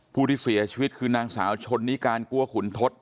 ผู้ที่เสียชีวิตคือนางสาวชนนิการกลัวขุนทศ